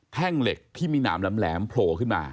เหล็กที่มีหนามแหลมโผล่ขึ้นมา